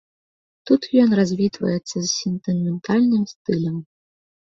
Тут ён развітваецца з сентыментальным стылем.